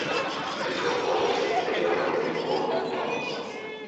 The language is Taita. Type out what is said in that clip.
Bishop waw'echa w'ikiria w'andu mikono jumamosi.